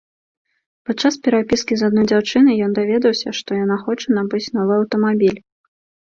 Падчас перапіскі з адной дзяўчынай ён даведаўся, што яна хоча набыць новы аўтамабіль.